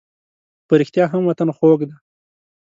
په رښتیا هم وطن خوږ دی.